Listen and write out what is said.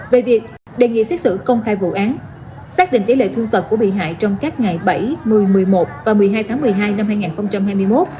về việc đề nghị xét xử công khai vụ án xác định tỷ lệ thu tập của bị hại trong các ngày bảy một mươi một mươi một và một mươi hai tháng một mươi hai năm hai nghìn hai mươi một